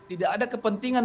tidak ada kepentingan